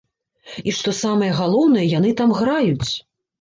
І што самае галоўнае, яны там граюць!